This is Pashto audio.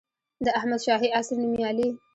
د احمدشاهي عصر نوميالي